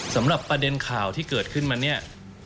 สำหรับประเด็นข่าวที่เกิดขึ้นมาเนี่ย